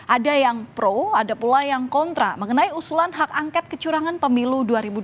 ada yang pro ada pula yang kontra mengenai usulan hak angket kecurangan pemilu dua ribu dua puluh